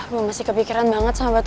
gue masih kepikiran banget sama batu bata